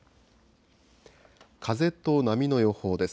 風と波の予報です。